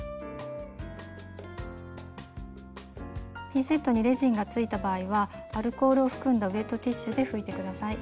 ピンセットにレジンがついた場合はアルコールを含んだウェットティッシュで拭いて下さい。